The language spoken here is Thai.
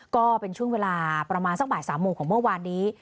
ก็เป็นช่วงเวลาประมาณสักบ่าย๓โมงของเมื่อวานนี้